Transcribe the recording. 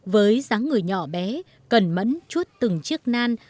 với dáng người nhỏ bé cần mẫn chuốt từng chiếc nan